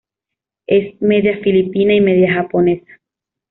Es media-filipina y media-japonesa.